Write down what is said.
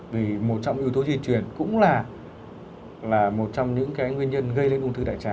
vì một trong yếu tố di truyền cũng là một trong những cái nguyên nhân gây lên ung thư đại trà